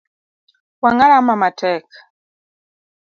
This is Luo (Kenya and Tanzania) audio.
Wanga rama matek.